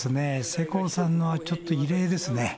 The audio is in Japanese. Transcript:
世耕さんのはちょっと異例ですね。